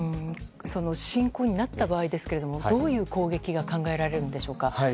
その侵攻になった場合どういう攻撃が考えられるんでしょうか。